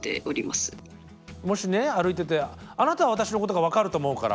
もしね歩いててあなたは私のことが分かると思うから。